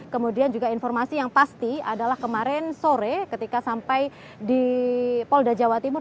kemudian juga informasi yang pasti adalah kemarin sore ketika sampai di polda jawa timur